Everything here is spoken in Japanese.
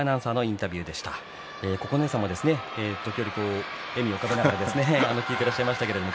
九重さんも時折、笑みを浮かべながら聞いていらっしゃいました。